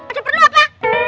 ada perlu apa